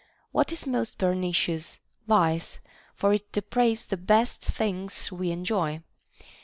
What is most per nicious \ Vice; for it depraves the best things we enjoy.